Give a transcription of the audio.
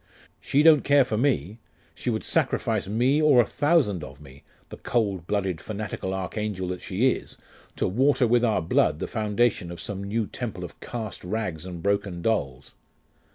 She don't care for me; she would sacrifice me, or a thousand of me, the cold blooded fanatical archangel that she is, to water with our blood the foundation of some new temple of cast rags and broken dolls....